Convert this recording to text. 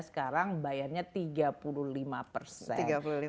sekarang bayarnya tiga puluh lima persen